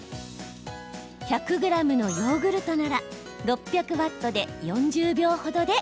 １００ｇのヨーグルトなら６００ワットで４０秒程でＯＫ。